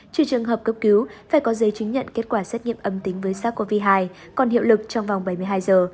trừ trường hợp cấp cứu phải có giấy chứng nhận kết quả xét nghiệm âm tính với sars cov hai còn hiệu lực trong vòng bảy mươi hai giờ